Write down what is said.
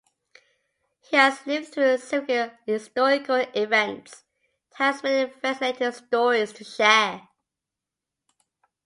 He has lived through significant historical events and has many fascinating stories to share.